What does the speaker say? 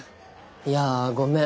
いやごめん。